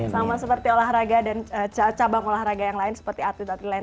sama seperti olahraga dan cabang olahraga yang lain seperti atlet atlet lain